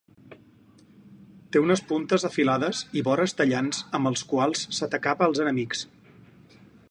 Té unes puntes afilades i vores tallants amb els quals s'atacava als enemics.